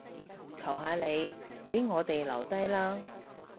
求下你，畀我哋留低啦